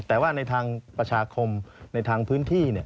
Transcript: แต่ว่าในทางประชาคมในทางพื้นที่